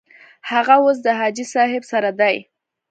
هغه اوس د حاجي صاحب سره دی.